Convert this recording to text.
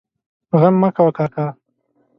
غم مه کوه کاکا!